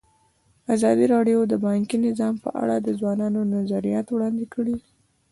ازادي راډیو د بانکي نظام په اړه د ځوانانو نظریات وړاندې کړي.